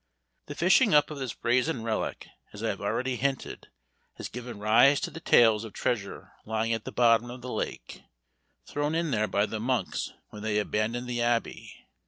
The fishing up of this brazen relic, as I have already hinted, has given rise to the tales of treasure lying at the bottom of the lake, thrown in there by the monks when they abandoned the Abbey.